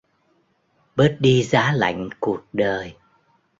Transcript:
Bớt đi giá lạnh cuộc đời